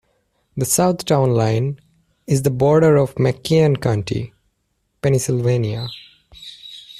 The south town line is the border of McKean County, Pennsylvania.